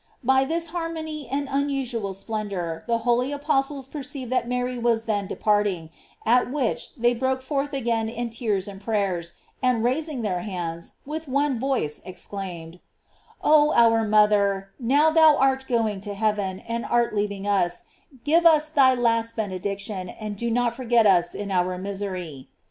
By this harmony and unusual splendor the holy Apostles perceived that Mary was then departing, at which they broke forth again in tears and prayers, and raising their hands, with one voice exclaimed: Oh, our mother, now thou art going to heaven, and art leaving us, give us thy last benediction, and do not forget us in our misery.